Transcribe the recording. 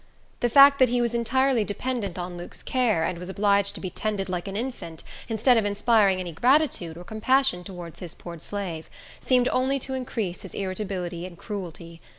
The fact that he was entirely dependent on Luke's care, and was obliged to be tended like an infant, instead of inspiring any gratitude or compassion towards his poor slave, seemed only to increase his irritability and cruelty.